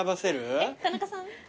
えっ田中さん？